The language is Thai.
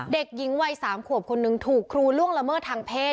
เด็กหญิงวัย๓ขวบคนนึงถูกครูล่วงละเมิดทางเพศ